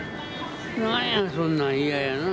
何やそんなんイヤやな。